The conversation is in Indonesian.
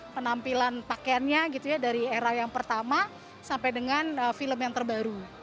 penampilan pakaiannya gitu ya dari era yang pertama sampai dengan film yang terbaru